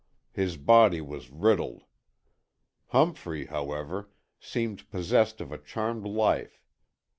His body was riddled. Humphrey, however, seemed possessed of a charmed life.